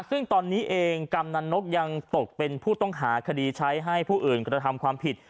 ซึ่งตอนนี้เองกำนันนกยังตกเป็นผู้ต้องหาคดีใช้ให้ผู้อื่นกระทำความผิด